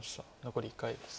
残り１回です。